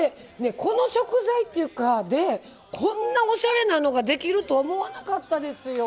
この食材っていうかでこんなおしゃれなのができると思わなかったですよ。